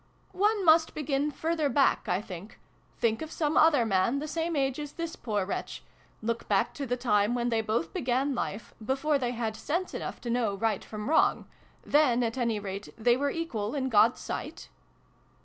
" One must begin further back, I think. Think of some other man, the same age as this poor wretch. Look back to the time when they both began life before they had sense enough to know Right from Wrong. Then, at any rate, they were equal in God's sight